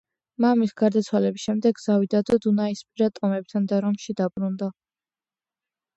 მამის გარდაცვალების შემდეგ ზავი დადო დუნაისპირა ტომებთან და რომში დაბრუნდა.